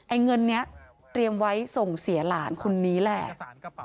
เงินนี้เตรียมไว้ส่งเสียหลานคนนี้แหละ